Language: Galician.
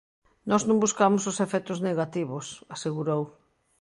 "Nós non buscamos os efectos negativos", asegurou.